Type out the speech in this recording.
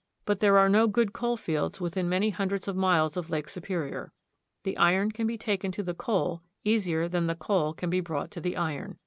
But there are no good coal fields within many hundreds of miles of Lake Superior. The iron can be taken to the coal easier than the coal can be brought to the iron.